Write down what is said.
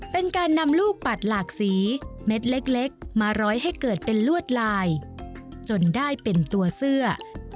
เป็นการนำลูกปัดหลากสีเม็ดเล็กมาร้อยให้เกิดเป็นลวดลายจนได้เป็นตัวเสื้อ